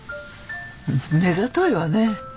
目ざといわね。